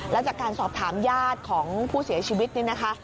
แล้วจากการสอบถามญาติของผู้เสียชีวิตนี่นะคะ